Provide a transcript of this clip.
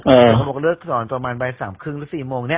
เออพระบุคเลือกสอนประมาณใบสามครึ่งหรือสี่โมงเนี้ย